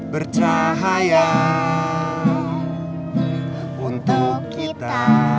bercahaya untuk kita